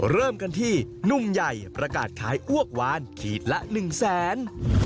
เริ่มกันที่หนุ่มใหญ่ประกาศขายอ้วกวานขีดละ๑แสน